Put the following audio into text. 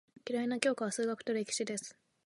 嫌いな教科は数学と歴史です。